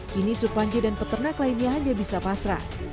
kini supanji dan peternak lainnya hanya bisa pasrah